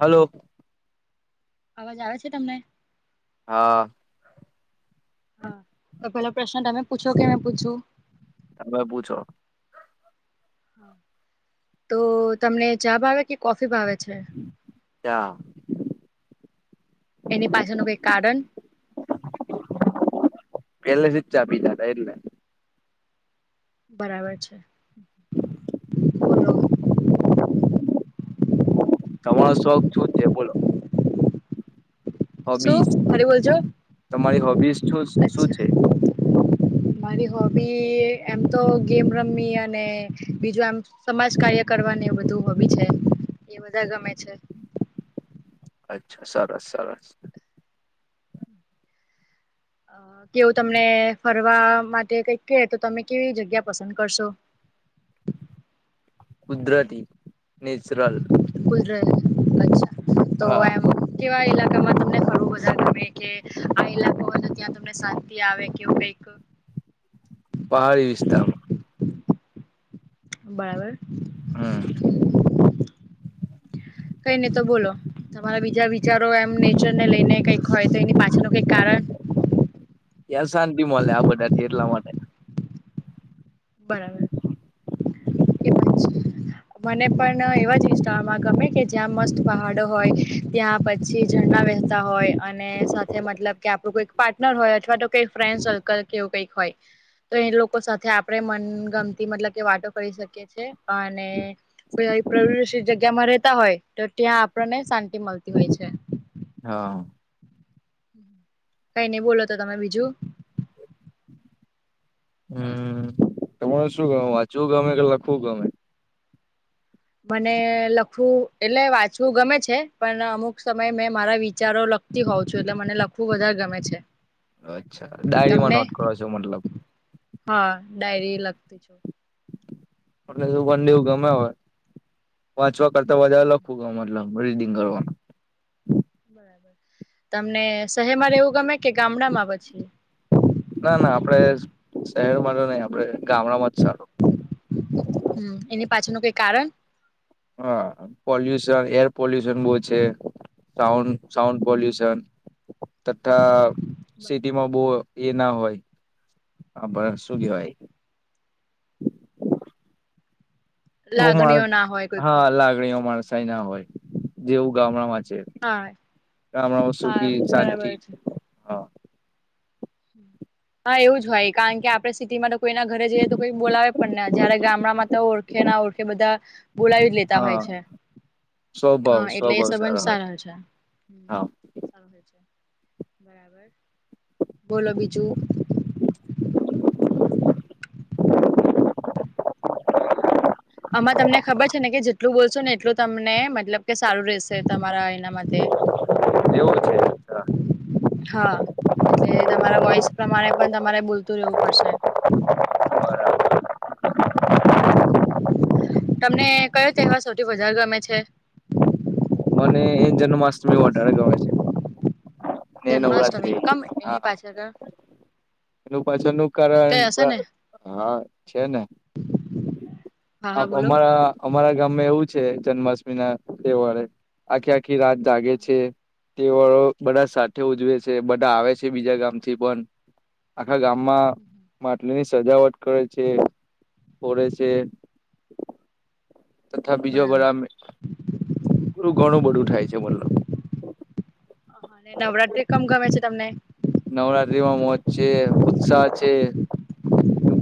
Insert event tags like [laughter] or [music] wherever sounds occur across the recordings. Hello. અવાજ આવે છે તમને? હા. હા તો પેલો પ્રશ્ન તમે પૂછો કે પૂછું? [inaudible] પૂછો? તો તમને ચા ભાવે કે કોફી ભાવે છે? [inaudible] [unintelligible] એની પાછળનું કઈ કારણ? પહેલેથી જ ચા પિતાતા એટલે. બરાબર છે. બોલો. તમારો શોખ છું છે બોલો. શું હોબીસ, ફરી બોલજો તમારી હોબીસ ચુ શું અચ્છા છે? મારી હોબી એમ તો ગેમ રમવી અને બીજું આમ સમાજ કાર્ય કરવાની એ બધું હોબી છે એ બધા ગમે છે. અચ્છા સરસ સરસ. અ કેવું તમને ફરવા માટે કઈ કે તો તમે કેવી જગ્યા પસંદ કરશો કુદરતી, નેચરલ. [inaudible] હા કેવા ઇલાકામાં તમને ફરવુ વઘારે ગમે કે. ત્યાં તમને શાંતિ આવે કેવું કઈક. પહાડી વિસ્તારમાં. બરાબર. હમ્મ. કઈ નહી તો બોલો. તમારા બીજા વિચારો એમ નેચરને લઈને કઈક હોય તો એની પાછળનું કઈક કારણ ત્યાં શાંતિ મળે આ બધાથી એટલા માટે. બરાબર. [inaudible] મને પણ એવા જ ઇન્સ્ટામાં ગમે કે જ્યાં મસ્ત પહાડો હોય ત્યાં પછી ઝરણા વે- વેહતા હોય અને સાથે મતલબ કે આપડું કોઈ પાર્ટનર હોય અથવા તો. કઈ ફ્રેન્ડ સર્કલ કેવું કઈક હોય તો એ લોકો સાથે આપ મન ગમતી મતલબ કે વાતો કરી શકીએ છીએ અને કોઇક. તેમાં રહેતા હોય તો ત્યાં આપણને શાંતિ મળતી હોય છે. હા. કઈ નઈ બોલો તો તમે બીજું. હમ તમારે શું ગમે વાંચવું ગમે કે લખવું ગમે. મને લખવું એટલે વાંચવું ગમે છે પણ અમુક સમય મેં મારા વિચારો લખ લખતી હોઉં છું એટલે મને લખવું વધારે ગમે છે. અચ્છા ડાયરીમાં તમને નોટ કરો છો મતલબ. હા ડાયરી લખ. ને વન ડેવું ગમે હોય વાંચવા કરતા વધારે લખું. મતલબ રીડિંગ કરવાનું. તમને શહેરમાં રહેવું ગમે કે ગામડામાં પછી. ના ના આપડણે શહેરમાં નહી આપડે ગામડામાં જ સારું. હમ એની પાછળ નો કઈ કારણ. હા પોલ્યુશન એર પોલ્યુશન બહુ છે. સાઉન્ સાઉન્ડ પોલ્યુશન. તથા સિટીમાં બહુ એ ના હોય પણ શું કેવાય. ઓ લાગણીઓ માણસ ના હોય કોઈકની હા જોડે લાગણી ઓ માણસ. તે ના હોય જેવું ગામડામાં છે હા ગામડામાં હા સુખી શાંતિ. બરાબર હા હમ [unintelligible] હા એવું જ હોય કારણ કે આપણે સિટીમાં તો કોઈના ઘરે જઈએ તો કોઈ બોલાવે પણ ને જયારે ગામડામાં તો ઓળખે ના ઓળખે બધા. બોલાવી જ લેતા હોય હા છે સ્વભાવ હા એટલે એ સ્વભાવ સંબંધ સારો હોય સારા છે. હા. ચ થ છે [inaudible] બરાબર. બોલો બીજું. આમાં તમને ખબર છે ને કે જેટલું બોલશો ને એટલું તમને મતલબ કે સારું રહેશે તમારા. નમ તે. [unintelligible] હા એટલે તમારા વોઇસ પ્રમાણે પણ તમારે બોલતું રહેવું પડશે. હ [unintelligible] તમને કયો તહેવાર સૌથી વધાર ગમે છે. મને એ જન્માષ્ટમી વધારે ગમે છે ને જન્માષ્ટમી નવરાત્રી કમ એની હા. પાછળ એનું પાછળ નું કારણ કયો હશે ને હા છે ને. હા હા આ બોલો અમારા અમારા ગામમે એવું છે જન્માષ્ટમી ના તહેવારે આખી આખી રાત જાગે છે. તે વાળો બધા સાથે ઉજવે છે બધા આવે છે બીજા ગામથી પણ આખા ગામમાં માટલીની સજાવટ કરે છે ફોડે છે. તથા બીજો બરાબર [unintelligible] પૂરું ઘણું બધું થાય છે મતલબ. આ હા નવરાત્રી કમ ગમે છે તમને. નવરાત્રીમાં મોજ છે ઉત્સાહ છે.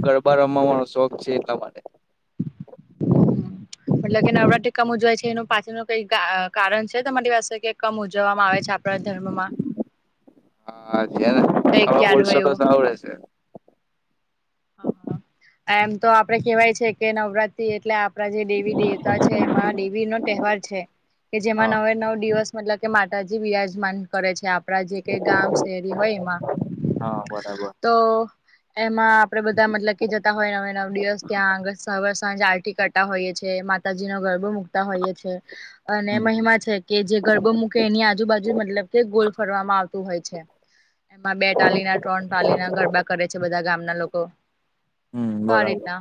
ગરબા રમવાનો શોખ છે એટલા માટે. મતલબ કે નવરાત્રી કમ ઉજવાય છે એનું પાછળનું કઈ કા કારણ છે તમારી પાસે કે કમ ઉજવવામાં આવે છે આપ આપણા ધર્મમાં. હા છે ને કઈક તમે યાદ બોલશો હોય તો એવું સારું રહેશે. આ હા એમ તો આપડે કેહેવાય છે કે નવરાત્રી એટલે આપ આપડા જે દેવી દેવતા છે એમાં દેવી નો તહેવાર છે કે જેમાં હા નવે નવ દિવસ મતલબ કે માતાજી બિરાજમાન કરે છે આપ આપડા જે કઈ ગામ શહેરી હોય એમાં હા બરાબર તો એમાં આપડે બધા મતલબ કે જતા હોય હવે નવ દિવસ ત્યાં આગળ સાવર સાંજ આરટી કરતા હોઈએ છીએ માતાજી નો ગરબો મુકતા હોઈએ છીએ અને હમ મહિમા છે. કે જે ગરબો મૂકે એની આજુબાજુ મતલબ કે ગોલ ફરવામાં આવતું હોય છે. એમાં બે ટાલીના ત્રણ ટાલીના ગરબા કરે છે બધા ગામના લોક કો હમ તો આ બરાબર રીતના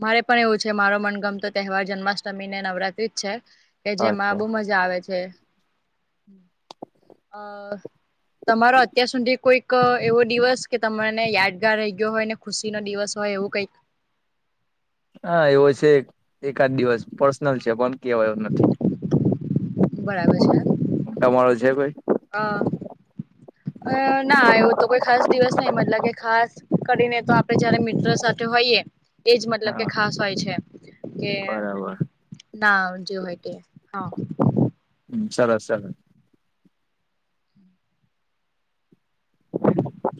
મારે પણ એવું છે મારો મનગમતો તહેવાર જન્માષ્ટમી ને નવરાત્રી જ છે કે જેમાં અચ્છા. બહુ મજ જા આવે છે આ તમારો અત્યાર સુધી કોઈક એવો દિવસ કે તને યાદગાર રહી ગયો હોય ને ખુશીનો દિવસ હોય એવું કંઈક. હા એવો છે એકાદ દિવસ પર્સનલ છે પણ કેવાય એવુ નથી. બરાબર. તમારો છે કોઈ. આ અ ના આવું તો કોઈ ખાસ દિવસ નહી મતલબ કે ખાસ કરીને તો અપ આપડે જયારે મિત્ર સાથે હોઈએ એજ મતલબ કે હા ખાસ હોય છે કે બરાબર. ના જે હોય તે હા. હમ્મ સરસ સરસ.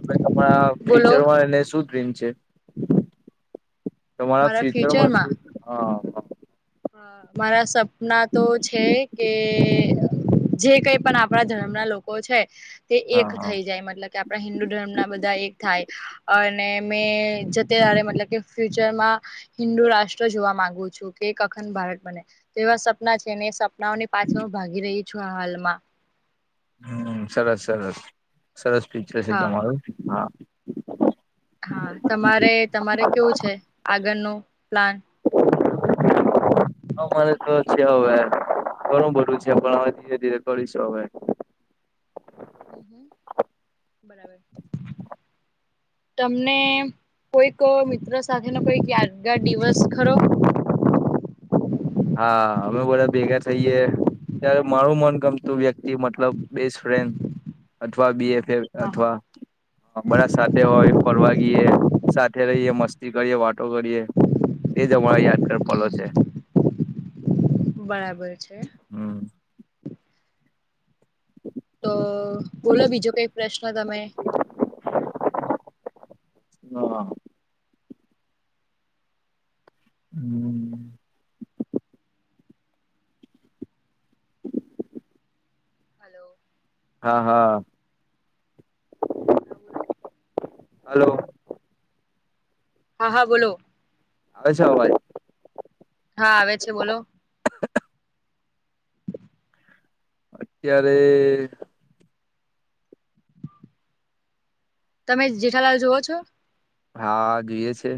ભાઈ તમારા બોલો ફ્યુચરમાં એને [unintelligible] છે. તમારા મારા ફ્યુચરમાં શું હા હ. હ મારા સપના તો છે કે જે કઈ પણ આપણા ધર્મ ના લોકો છે તે એક હા હા. થઈ જાય મતલબ કે આપ આપણા હિન્દુ ધર્મ ના બધા એક થાય. અને મેં જે ત્યારે મતલબ કે ફ્યુચરમાં હિન્દુ રાષ્ટ્ર જોવા માંગુ છું કે કખન ભારત બને તો એવા સપના છે ને એ સપનાઓની પાછળ હું ભાગી રહી છું આ હાલમાં. હમ્મ સરસ સરસ સરસ ફ્યુચર છે હા તમારું હા. હા તમારે તમારે કેવું છે આગળ નું પ્લાન. હ મારે તો છે હવે ઘણું બધું છે પણ હવે ધીરે ધીરે કરીશું હવે. હમ હમ બરાબર. તમને કોઈક મિત્ર સાથેનો કોઈક યાદગાર દિવસ ખરો હા અમે બધા ભેગા થઈએ ત્યારે મારું મન ગમતું વ્યક્તિ મતલબ બેસ્ટ ફ્રેન્ડ અથવા બીએફ એ હા હા અથવા બધા સાથે હોય ફરવા ગીએ સાથે રહીએ મસ્તી કરીએ વાતો કરીએ તે જ અમા યાદગર પલો છે. બરાબર છે. હમ. તો બોલો બીજો કઈ પ્રશ્ન તમે હ. હમ. હલો હા હા હા બોલો હાલો હા હા બોલો આવે છે, અવાજ? હા આવે છે, બોલો અત્યારે તમે જેઠાલાલ જોઓ છો? હા જોઈએ છે.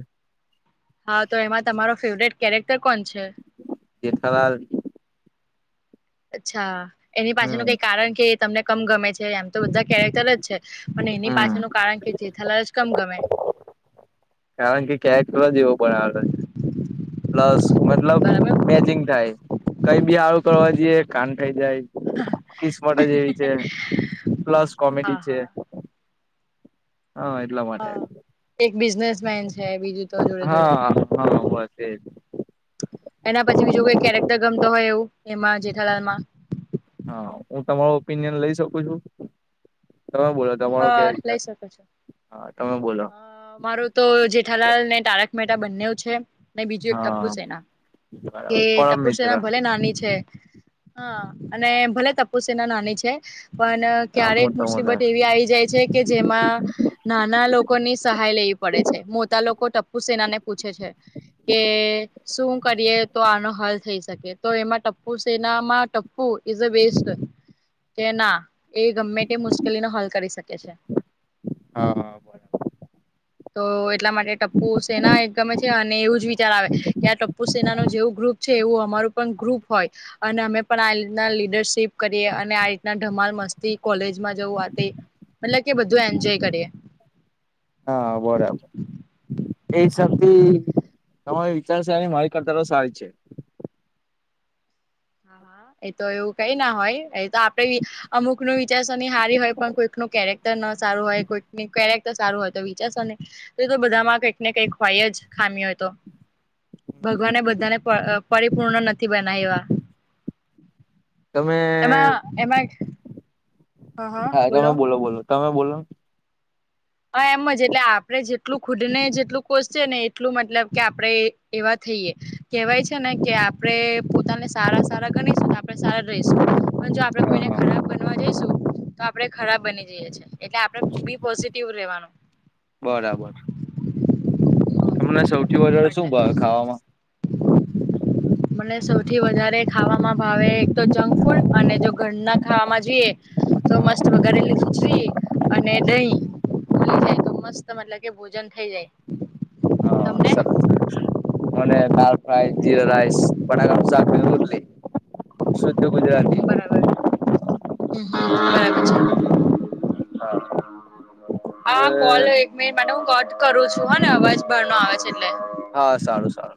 હા તો એમાં તમારો ફેવરેટ કેરેક્ટર કોણ છે. જેઠાલાલ. અચ્છા એની પાછળનું હમ કઈ કારણ કે તમને કમ ગમે છે, એમ તો બધા કેરેક્ટર જ છે, પણ એની હમ પાછળનું કારણ કે જેથાાલલ જ કમ ગમે કારણ કે ક્યાંક થલો જેવો પણ આવે છે. પ્લસ મતલબ બરાબર મેચિંગ થાય કઈ બી આળું કરવા જઈએ કાન થઇ જાય કિસમટ જ એવી છે, પ્લસ હા કોમેડી છે. હા હા. એટલા માટે હા એક બિઝનેસમેંન હા હા બસ એ જ એના પછી બીજો કોઈ કેરેક્ટર ગમતો હોય એવું એમાં જેઠાલાલમા હા હું તમારો ઓપિનિયન લઈ શકું છું? તમે બોલા હ લઈ શકો છો તમે બોલો અ મારો તો જેઠાલાલ ને તારક મેહતા બંનેવ છે. ને બીજું એક ટપુ હા સેના કે બરાબર પરમ ટપુ મિત્ર સેના ભલે નાની છે. હા અને ભલે ટપુસેના નાની છે, પણ આમ ક્યારેક મોટા મોટા મુસીબત એવી આવી જાય છે, કે જેમાં નાના લોકોની સહાય લેવી પડે છે, મોટા લોકો ટપ્પુ સેના ને પૂછે છે. કે શું કરીએ તો આનો હલ થઈ શકે તો એમાં ટપ્પુ સેનામાં Tappu is a best કે ના એ ગમે તે મુશ્કેલીનો હલ કરી શ કે છે. હા. હ બરાબર. [inaudible] [unintelligible] તો એટલા માટે ટપ્પુ સેના એક ગમે છે, અને એવું જ વિચાર આવે કે આ ટપ્પુ સેનાનું જેવું ગ્રુપ એવું અમારું પણ ગ્રુપ હોય અને અમે પણ આ લીતના લીડરશીપ કરીએ અને આ રીતના ધમાલ મસ્તી કોલેજમાં જવું આતે મતલબ કે બધું એન્જોય કરીએ હા બરાબર. એ હિસાબથી તમારી વિચારશે અને મારી કરતા તો સારી છે. હા હા એ તો એવું કઈ ના હોય એ તો આપડે અમુક નુ વિચારસરની હારી હોય પણ કોઈક નુ કેરેક્ટર ન સારું હોય કોઈકની કેરેક તો સારું હોય તો વિચારશો ને તો બધામાં કંઈક ને કઈક હોય જ ખામી હોય તો ભગવાનને બધાને પ અ પરિપૂર્ણ નથી બનાવ્યા તમે મા એમાંય હા તમે બોલો બોલો તમે બોલો હા એમ જ એટલે આપણે જેટલું ખુદને જેટલું કોશીએ ને એટલું મતલબ કે આપણે એવા થઈએ કેહેવાય છે, ને કે આપણે પોતાને સારા સારા ગણીશુંને આપણે સારા રેસુ પણ જો આપડે હા કોઈને હા ખરાબ બનવા જઈશું તો આપડે ખરાબ બની જઈએ છે, એટલે આપ બી પો રેવાનું. બરાબર. તમને સૌથી વધારે શું એટલે ભાવે ખાવામાં? [inaudible] [unintelligible] મને સૌથી વધારે ખાવામાં ભાવે એક તો જંક ફૂડ અને જો ઘરના ખાવામાં જોઈએ તો મસ્ત વગાડેલી ખીચડી અને દહીં મલી જાય તો મસ્ત મતલબ કે ભોજન થઇ જાય હા તમને સરસ મને દાલ ફ્રાય, જીરા રઇશ, બટેકાનું શાક ને રોટલી શુદ્ધ ગુજરાતી બરાબર બરાબર છે. હા હા હવે કોલ એક મિનિટ માટે હું કટ કરું છું હ ને અવાજ ભર નો આવે છે, એટલે હા સારું સારું.